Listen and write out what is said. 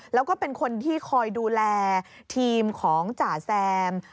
แล้วก็เป็นคนที่คอยดูแลทีมของจ่าแซม